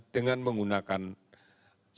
dengan menggunakan penularan